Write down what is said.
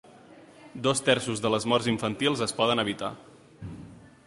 Dos terços de les morts infantils es poden evitar.